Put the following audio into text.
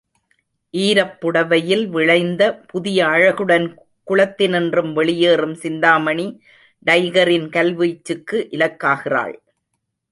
ஈரப் புடவையில் விளைந்த புதிய அழகுடன் குளத்தினின்றும் வெளியேறும் சிந்தாமணி டைகரின் கல்வீச்சுக்கு இலக்காகிறாள்.